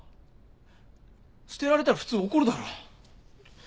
捨てられたら普通怒るだろ。